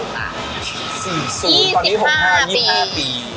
สี่สี่สิดีห้า์ปี